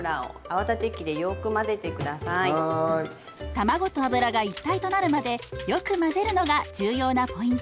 卵と油が一体となるまでよく混ぜるのが重要なポイント。